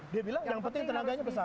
dia bilang yang penting tenaganya besar